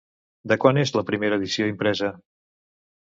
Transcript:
De quan és la primera edició impresa?